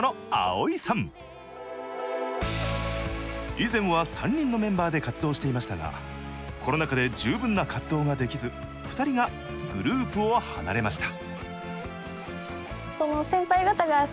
以前は３人のメンバーで活動していましたがコロナ禍で十分な活動ができず２人がグループを離れました。